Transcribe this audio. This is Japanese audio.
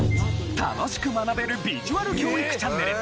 楽しく学べるビジュアル教育チャンネル。